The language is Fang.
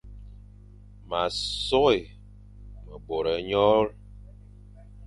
Ma sôghé mebor e nyôl,